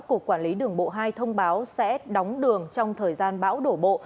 cục quản lý đường bộ hai thông báo sẽ đóng đường trong thời gian bão đổ bộ